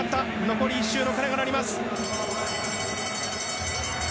残り１周の鐘が鳴りました。